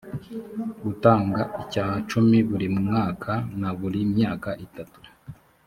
gutanga icya cumi buri mwaka na buri myaka itatu